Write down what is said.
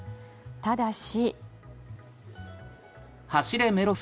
ただし。